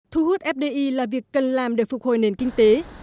thu hút fdi là việc cần làm để phục hồi nền kinh tế